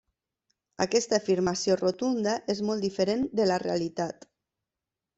Aquesta afirmació rotunda és molt diferent de la realitat.